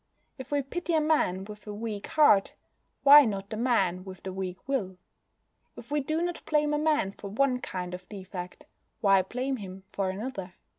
If we pity a man with a weak heart, why not the man with the weak will? If we do not blame a man for one kind of defect, why blame him for another?